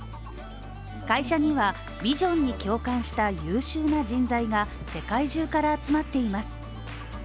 会社にはビジョンに共感した優秀な人材が世界中から集まっています。